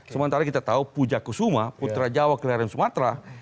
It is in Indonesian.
sementara kita tahu puja kusuma putra jawa kelahiran sumatera